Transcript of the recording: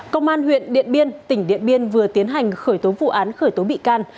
công an huyện điện biên tỉnh điện biên vừa tiến hành khởi tố vụ án khởi tố bị can